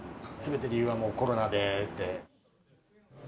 すべて理由はもうコロナでって。